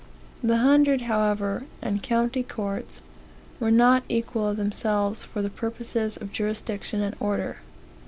"The hundred, however, and county courts were not equal of themselves for the purposes of jurisdiction and order.